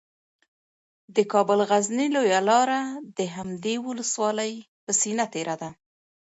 د کابل غزني لویه لاره د همدې ولسوالۍ په سینه تیره ده